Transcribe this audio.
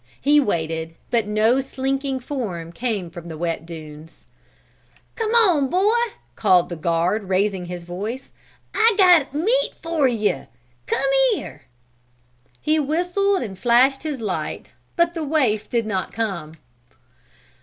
He waited, but no slinking form came from the wet sand dunes. "Come on, boy!" called the guard, raising his voice. "I got meat for ye! Come here!" He whistled and flashed his light, but the waif did not come.